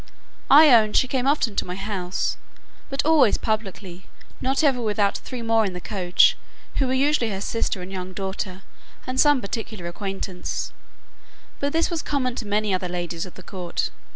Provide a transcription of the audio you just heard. I own she came often to my house, but always publicly, nor ever without three more in the coach, who were usually her sister and young daughter, and some particular acquaintance; but this was common to many other ladies of the court.